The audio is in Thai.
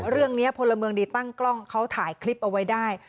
พลเมืองดีตั้งกล้องเขาถ่ายคลิปเอาไว้ได้